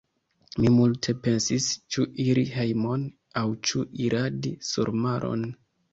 Mi multe pensis; ĉu iri hejmon, aŭ ĉu iradi surmaron.